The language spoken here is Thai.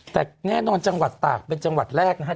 แต่แน่นอนจังหวัดตากเป็นจังหวัดแรกนะครับ